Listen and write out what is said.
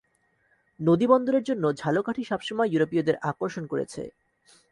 নদী বন্দরের জন্য ঝালকাঠি সবসময় ইউরোপীয়দের আকর্ষণ করেছে।